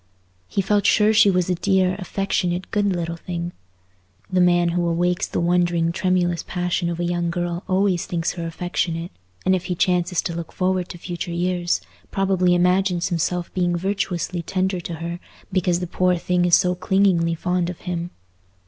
He felt sure she was a dear, affectionate, good little thing. The man who awakes the wondering tremulous passion of a young girl always thinks her affectionate; and if he chances to look forward to future years, probably imagines himself being virtuously tender to her, because the poor thing is so clingingly fond of him.